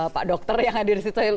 pak dokter yang hadir di situ